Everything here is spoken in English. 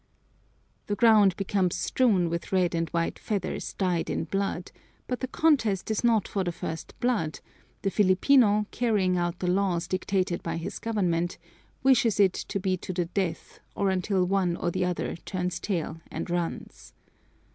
The ground becomes strewn with red and white feathers dyed in blood, but the contest is not for the first blood; the Filipino, carrying out the laws dictated by his government, wishes it to be to the death or until one or the other turns tail and runs.